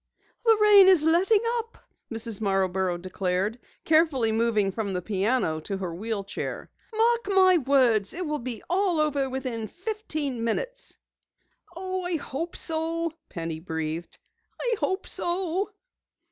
"The rain is letting up," Mrs. Marborough declared, carefully moving from the piano to her wheel chair. "Mark my words, it will all be over within fifteen minutes." "Oh, I hope so!" Penny breathed. "I hope so!"